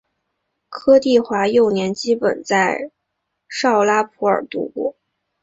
柯棣华幼年基本在绍拉普尔度过。